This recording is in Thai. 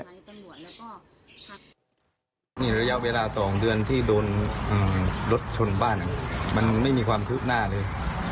นี่ระยะเวลา๒เดือนที่โดนรถชนบ้านมันไม่มีความคืบหน้าเลย